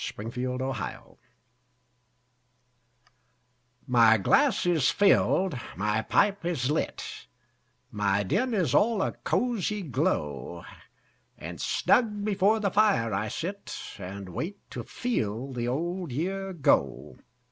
The Passing of the Year My glass is filled, my pipe is lit, My den is all a cosy glow; And snug before the fire I sit, And wait to FEEL the old year go.